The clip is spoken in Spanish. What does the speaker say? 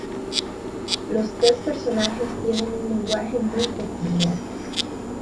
Los tres personajes tienen un lenguaje muy peculiar.